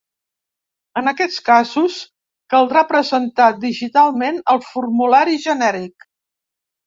En aquests casos, caldrà presentar digitalment el formulari genèric.